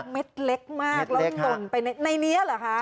เม็ดเล็กมากแล้วหล่นไปในนี้เหรอคะ